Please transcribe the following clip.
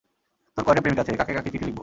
তোর কয়টা প্রেমিক আছে, কাকে কাকে চিঠি লিখবো?